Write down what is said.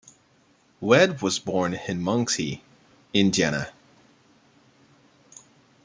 Wead was born in Muncie, Indiana.